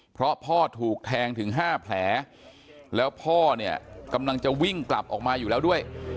เพราะพ่อถูกแทงถึง๕แผลแล้วพ่อเนี่ยกำลังจะวิ่งกลับออกมาอยู่แล้วด้วย